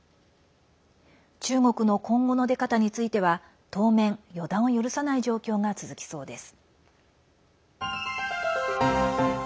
中国の今後の出方については当面、予断を許さない状況が続きそうです。